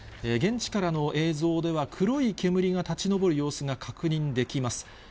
現地からの映像では、黒い煙が立ち上る様子が確認できます。